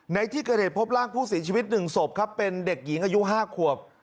ในที่เกิดเหตุพบร่างผู้เสียชีวิต๑ศพครับเป็นเด็กหญิงอายุ๕ขวบ